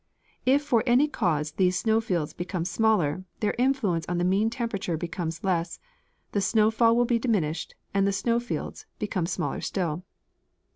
If for any cause these snow fields become smaller, their influence on the mean temperature becomes less, the snow fall is diminished, and the snow fields become smaller still.